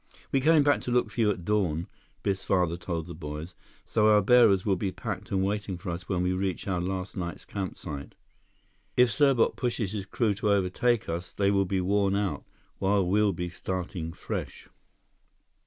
"We came back to look for you at dawn," Biff's father told the boys, "so our bearers will be packed and waiting for us when we reach our last night's campsite. If Serbot pushes his crew to overtake us, they will be worn out, while we'll be starting fresh."